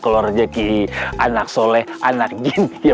keluar jadi anak sole anak gini ya